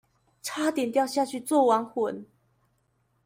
差點掉下去做亡魂